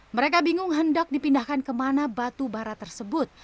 mereka bingung hendak dipindahkan ke mana batu bara tersebut